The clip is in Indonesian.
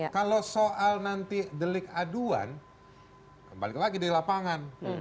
kalau soal nanti delik aduan kembali lagi di lapangan